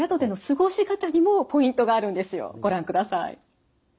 ご覧ください。